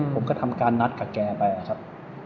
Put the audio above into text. ผมก็ทำการนัดกับแกไปนะครับ